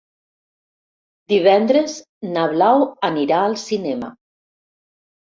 Divendres na Blau anirà al cinema.